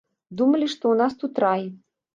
Думалі, што ў нас тут рай.